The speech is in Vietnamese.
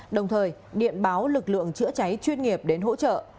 đồng thời điện báo lực lượng chữa cháy chuyên nghiệp đến hỗ trợ